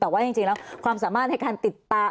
แต่ว่าจริงแล้วความสามารถในการติดตาม